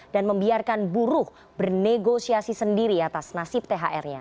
dan membiarkan buruh bernegosiasi sendiri atas nasib thr nya